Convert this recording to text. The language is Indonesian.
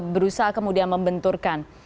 berusaha kemudian membenturkan